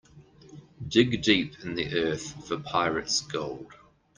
Dig deep in the earth for pirate's gold.